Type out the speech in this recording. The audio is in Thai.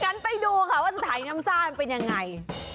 งั้นไปดูค่ะว่าสายน้ำซ่ามันเป็นยังไง